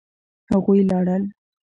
هغوی لاړل.